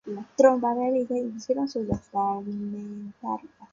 Las tropas realistas se impusieron sobre las parlamentarias.